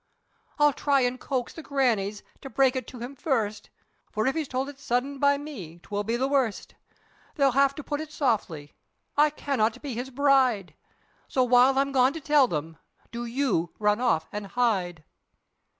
I'll try an' coax the grannies, to brake it to him first, For if he's towld it sudden by me, 'twill be the worst, They'll have to put it softly, I cannot be his bride, So while I'm gone to tell them, do you run off an' hide."